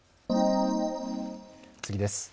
次です。